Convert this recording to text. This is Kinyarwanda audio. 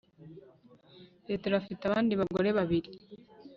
petero afite abandi bagore babiri